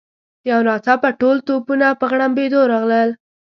یو ناڅاپه ټول توپونه په غړمبېدو راغلل.